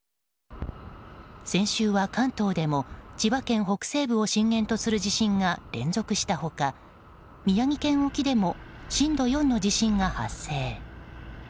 先週は関東でも千葉県北西部を震源とする地震が連続した他宮城県沖でも震度４の地震が発生。